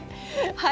はい。